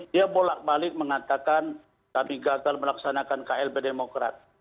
dia bolak balik mengatakan kami gagal melaksanakan klb demokrat